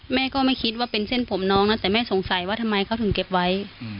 แม่ก็ไม่คิดว่าเป็นเส้นผมน้องนะแต่แม่สงสัยว่าทำไมเขาถึงเก็บไว้